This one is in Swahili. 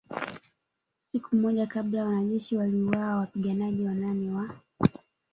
Siku moja kabla wanajeshi waliwaua wapiganaji wnane wa